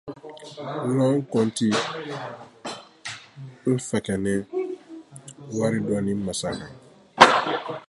Loon Kɔnti N° Fɛnkɛnin waridonnin Musaka